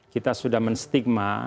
kita sudah menstigma